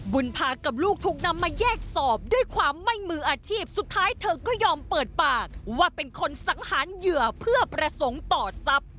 พากับลูกถูกนำมาแยกสอบด้วยความไม่มืออาชีพสุดท้ายเธอก็ยอมเปิดปากว่าเป็นคนสังหารเหยื่อเพื่อประสงค์ต่อทรัพย์